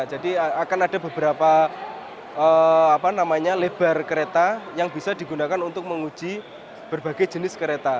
jadi akan ada beberapa lebar kereta yang bisa digunakan untuk menguji berbagai jenis kereta